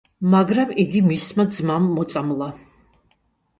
მაგრამ იგი მისმა ძმამ მოწამლა.